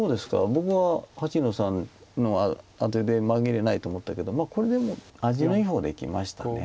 僕は８の三のアテで紛れないと思ったけどこれでも味のいい方でいきました。